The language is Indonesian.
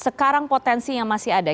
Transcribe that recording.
sekarang potensi yang masih ada